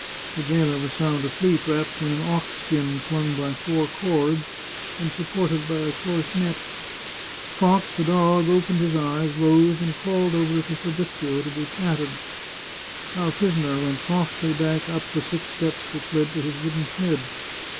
The jailer was sound asleep, wrapped in an ox skin slung by four cords, and supported by a coarse net. Fox, the dog, opened his eyes, rose, and crawled over to Fa brizio to be patted. Our prisoner went softly back up the six steps which led to his wooden shed.